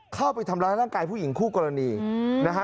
เข้าไปทำร้ายร่างกายผู้หญิงคู่กรณีนะฮะ